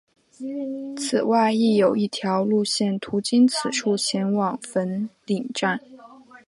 此外亦有一条路线途经此处前往粉岭站。